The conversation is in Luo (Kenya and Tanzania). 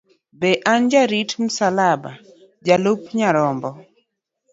Be an jarit msalaba, jalup mar Nyarombo?